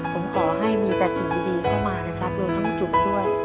ผมขอให้มีแต่สิ่งดีเข้ามานะครับรวมทั้งจุกด้วย